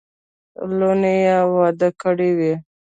لوڼي یې واده کړې وې.